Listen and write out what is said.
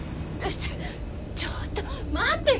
ちょちょっと待ってよ。